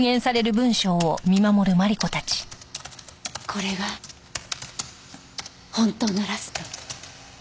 これが本当のラスト。